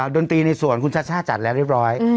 ดนตรีในส่วนคุณชัชช่าจัดแล้วเรียบร้อย